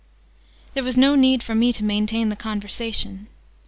There was no need for me to maintain the conversation.